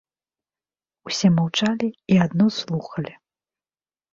Усе маўчалі і адно слухалі.